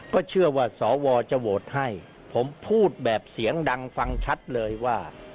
ก็เชื่อว่าสวจะโหวตให้ผมพูดแบบเสียงดังฟังชัดเลยว่า